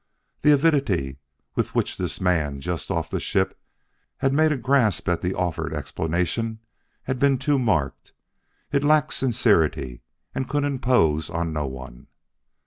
The avidity with which this man just off ship had made a grasp at the offered explanation had been too marked; it lacked sincerity and could impose on no one.